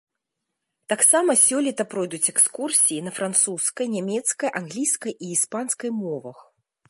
Таксама сёлета пройдуць экскурсіі на французскай, нямецкай, англійскай і іспанскай мовах.